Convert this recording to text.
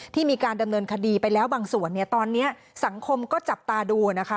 มีการดำเนินคดีไปแล้วบางส่วนเนี่ยตอนนี้สังคมก็จับตาดูนะคะ